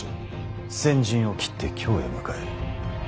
先陣を切って京へ向かえ。